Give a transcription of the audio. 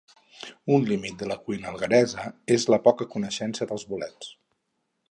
Un límit de la cuina algueresa és la poca coneixença dels bolets